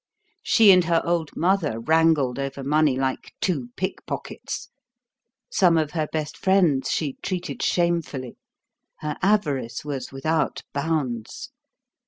She and her old mother wrangled over money like two pickpockets. Some of her best friends she treated shamefully. Her avarice was without bounds.